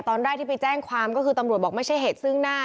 ตอนแรกที่ไปแจ้งความก็คือตำรวจบอกไม่ใช่เหตุซึ่งหน้า